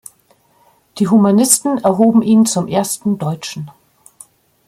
Die Humanisten erhoben ihn zum ersten Deutschen.